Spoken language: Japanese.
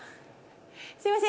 すいません